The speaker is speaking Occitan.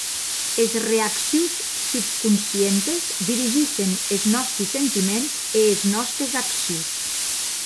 Es reaccions subconscientes dirigissen es nòsti sentiments e es nòstes accions.